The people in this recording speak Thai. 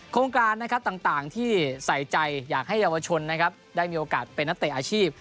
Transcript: โครงการนะครับต่างที่ใส่ใจอยากให้เยาวชนนะครับได้มีโอกาสเป็นนักเตะอาชีพ